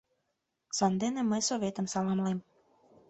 Сандене мый Советым саламлем.